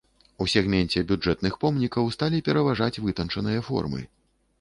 У сегменце бюджэтных помнікаў сталі пераважаць вытанчаныя формы.